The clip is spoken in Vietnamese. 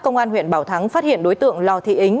công an huyện bảo thắng phát hiện đối tượng lào thị ính